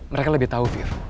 mereka lebih tahu viv